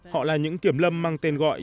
họ là những kiểm lâm mang tên gọi